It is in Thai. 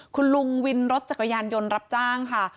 คุณลุงวินรถจักรยานยนต์รับจ้างค่ะ